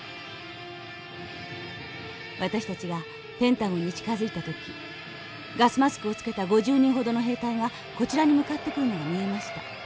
私たちがペンタゴンに近づいた時ガスマスクをつけた５０人ほどの兵隊がこちらに向かってくるのが見えました。